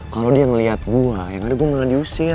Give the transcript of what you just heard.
kalo dia ngeliat gue yang ada gue mengandung diusir